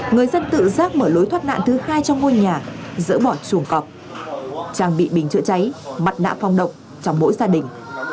người dân tự giác mở lối thoát nạn thứ hai trong ngôi nhà dỡ bỏ chuồng cọp trang bị bình chữa cháy mặt nạ phòng độc trong mỗi gia đình